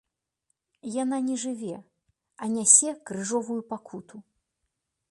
Яна не жыве, а нясе крыжовую пакуту.